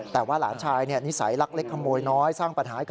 แต่ว่าหลานชายนิสัยรักเล็กคโมยน้อย